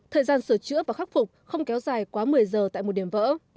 thời gian sửa chữa và khắc phục không kéo dài quá một mươi giờ tại một điểm vỡ